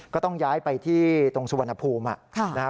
ก็ต้องย้ายไปที่ตรงสุวรรณภูมินะครับ